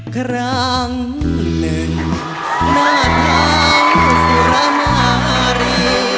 ครั้งหนึ่งหน้าเถาซุรมาริ